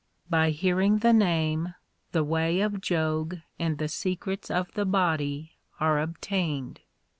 4 By hearing the Name the way of Jog and the secrets of the body are obtained.